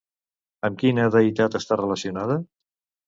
Amb quina deïtat està relacionada?